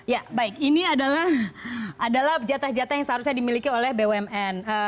ya baik ini adalah jatah jatah yang seharusnya dimiliki oleh bumn yang tadi saya sebutkan